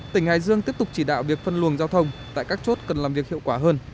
tỉnh hải dương tiếp tục chỉ đạo việc phân luồng giao thông tại các chốt cần làm việc hiệu quả hơn